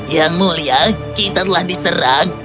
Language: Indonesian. ya ngulia kita telah diserang